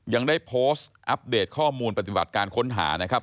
ยังได้โพสต์อัปเดตข้อมูลปฏิบัติการค้นหานะครับ